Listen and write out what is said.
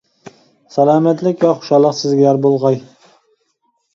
سالامەتلىك ۋە خۇشاللىق سىزگە يار بولغاي.